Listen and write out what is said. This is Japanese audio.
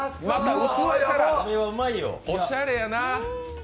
おしゃれやな。